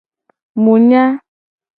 Mu nya.